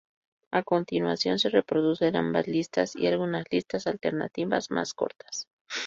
A continuación se reproducen ambas listas y algunas listas alternativas más cortas.